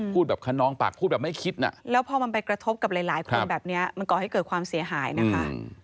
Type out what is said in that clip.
พูดแบบคนนองปากพูดแบบไม่คิดน่ะแล้วพอมันไปกระทบกับหลายคนแบบนี้มันก่อให้เกิดความเสียหายนะคะ